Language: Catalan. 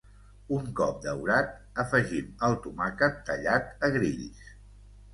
Un cop daurat, afegim el tomàquet tallat a grills.